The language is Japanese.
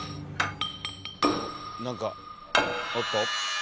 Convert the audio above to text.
何かおっと。